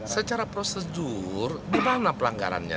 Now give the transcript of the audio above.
secara prosedur di mana pelanggarannya